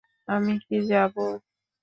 আমি কি যাবো?